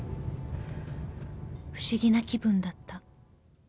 ［不思議な気分だった］